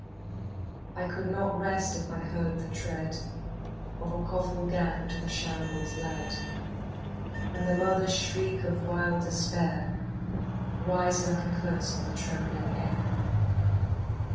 I could not rest if I heard the tread Of a coffle gang to the shambles led, And the mother's shriek of wild despair Rise like a curse on the trembling air.